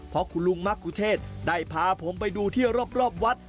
เพราะคุณลุงมักกุเทศได้พาผมไปดูที่รอบวัด